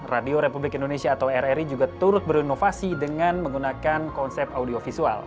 radio republik indonesia atau rri juga turut berinovasi dengan menggunakan konsep audiovisual